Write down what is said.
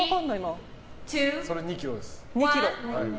これが２ｋｇです。